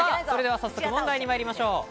それでは早速、問題にまいりましょう。